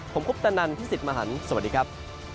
ผมคุปตะนันพี่สิทธิ์มหันฯสวัสดีครับ